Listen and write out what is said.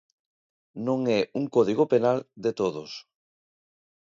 Non é un Código Penal de todos.